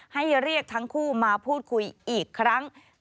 เรียกทั้งคู่มาพูดคุยอีกครั้ง